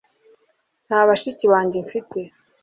nta bashiki banjye mfite